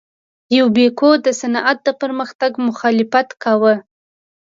یوبیکو د صنعت د پرمختګ مخالفت کاوه.